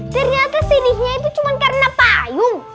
ternyata sininya itu cuma karena payung